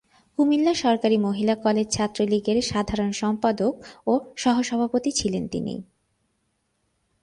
কুমিল্লা সরকারি মহিলা কলেজ ছাত্রলীগের সাধারণ সম্পাদক ও সহসভাপতি ছিলেন তিনি।